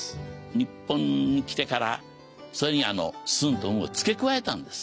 日本に来てからそれに「スン」と「ウン」を付け加えたんです。